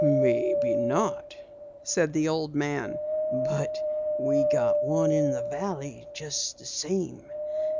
"Maybe not," said the old man, "but we got one in the valley just the same.